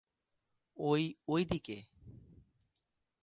ওই ঐদিকে।